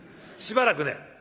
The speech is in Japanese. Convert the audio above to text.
しばらくね